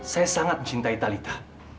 saya sangat mencintai talitha